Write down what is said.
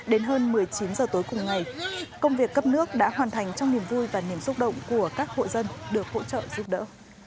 đến hơn một mươi chín h tối cùng ngày công việc cấp nước đã hoàn thành trong niềm vui và niềm xúc động của các hộ dân được hỗ trợ giúp đỡ